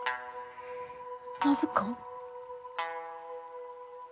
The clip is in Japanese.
暢子。